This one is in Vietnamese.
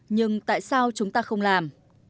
nhưng tại sao chúng ta không làm